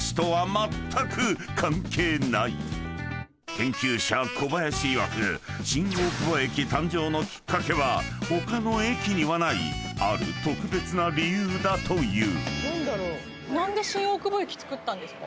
［研究者小林いわく新大久保駅誕生のきっかけは他の駅にはないある特別な理由だという］